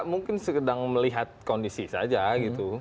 mungkin sekedar melihat kondisi saja gitu